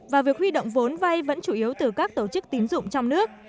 và việc huy động vốn vay vẫn chủ yếu từ các tổ chức tín dụng trong nước